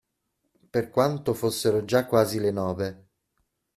Per quanto fossero già quasi le nove.